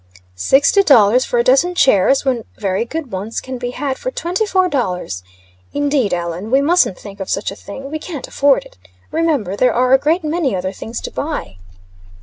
"Sixty dollars for a dozen chairs, when very good ones can be had for twenty four dollars! Indeed, Ellen, we mustn't think of such a thing. We can't afford it. Remember, there are a great many other things to buy."